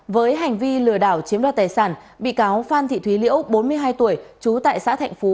với hành vi lừa đảo chiếm đoạt tài sản bị cáo phan thị thúy liễu bốn mươi hai tuổi trú tại xã thạnh phú